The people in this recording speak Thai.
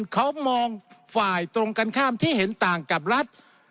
เขามองฝ่ายตรงกันข้ามที่เห็นต่างกับรัฐ